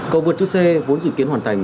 cầu vượt chứa xe vốn dự kiến hoàn thành